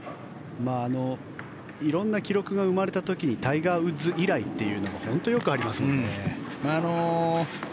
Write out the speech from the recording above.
色んな記録が生まれた時にタイガー・ウッズ以来というのは本当によくありますもんね。